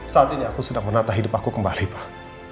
saat ini aku sedang menata hidup aku kembali pak